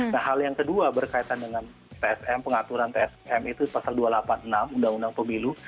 nah hal yang kedua berkaitan dengan tsm pengaturan tsm itu pasal dua ratus delapan puluh enam undang undang pemilu